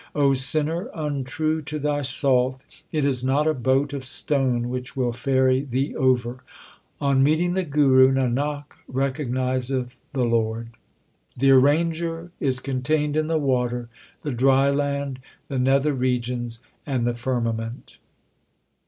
O sinner, untrue to thy salt, It is not a boat of stone which will ferry thee over. On meeting the Guru, Nanak recognizeth the Lord. 1 Tilang. LIFE OF GURU ARJAN 83 The Arranger is contained in the water, the dry land, the nether regions, and the firmament.